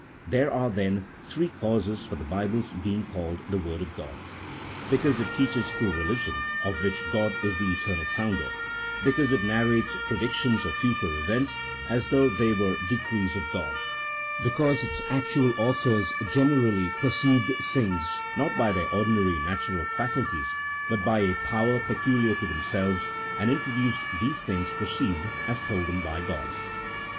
There are, then, three causes for the Bible's being called the Word of God : because it teaches true reli gion, of which God is the eternal Founder ; because it nar rates predictions of future events as though they were 170 A THEOLOGICO POLITICAL TREATISE. [CHAP. XII. decrees of God ; because its actual authors generally per ceived things not by their ordinary natural faculties, but by a power peculiar to themselves, and introduced these things perceived, as told them by God.